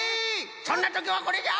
そんなときはこれじゃ！